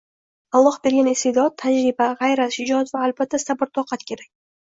Alloh bergan iste’dod, tajriba, g‘ayrat-shijoat va albatta sabr-toqat kerak.